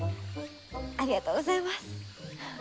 ありがとうございます。